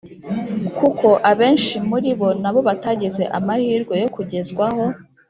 kuko abenshi muri bo na bo batagize amahirwe yo kugezwaho